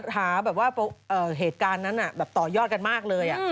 หาเหตุการณ์นั้นน่ะต่อยอดกันมากเลย